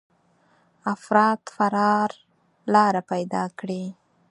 افراد فرار لاره پيدا کړي.